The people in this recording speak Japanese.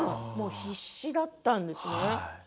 必死だったんですね。